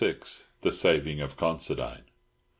THE SAVING OF CONSIDINE.